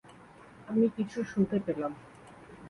আমি কিছু শুনতে পেলাম!